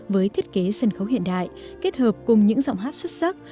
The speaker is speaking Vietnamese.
với thiết kế sân khấu hiện đại kết hợp cùng những giọng hát xuất sắc